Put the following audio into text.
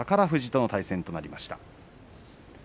富士との対戦となりました。